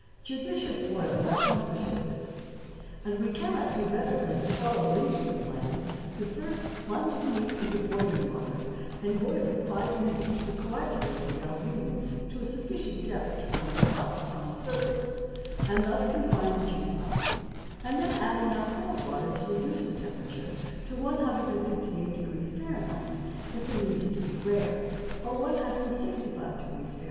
Judicious boiling accomplishes this: and we cannot do better than to follow Liebig's plan to first plunge the meat into boiling water, and boil it five minutes to coagulate the albumen to a sufficient depth to form a crust upon the surface, and thus confine the juices, and then add enough cold water to reduce the temperature to 158° Fahr., if the meat is to be rare, or to 165° Fahr.